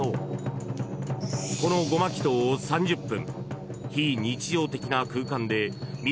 ［この護摩祈祷を３０分］